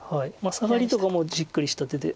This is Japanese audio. サガリとかもじっくりした手で。